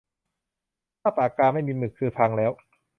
ถ้าปากกาไม่มีหมึกคือพังแล้ว